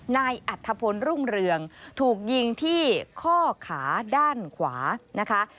นายอัธพลรุ่งเรืองถูกยิงที่ข้อขาด้านขวานะคะ